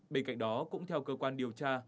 bên cạnh đó cũng theo cơ quan điều tra